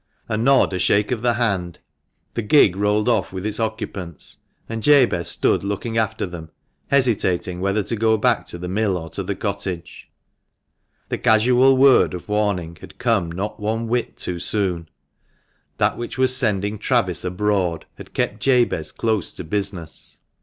A nod, a shake of the hand, the gig rolled off with its occupants, and Jabez stood looking after them, hesitating whether to go back to the mill or to the cottage, The casual word of 420 THB MANCHBSTBR MAN. warning had come not one whit too soon. That which was sending Travis abroad had kept Jabez close to business.